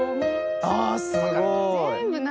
あすごい。